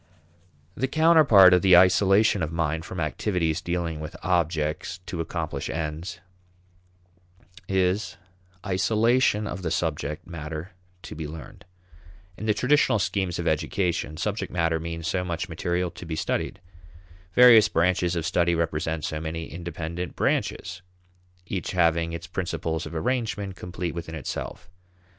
The counterpart of the isolation of mind from activities dealing with objects to accomplish ends is isolation of the subject matter to be learned. In the traditional schemes of education, subject matter means so much material to be studied. Various branches of study represent so many independent branches, each having its principles of arrangement complete within itself.